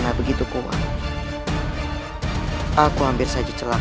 kami tidak bantu pak jajaran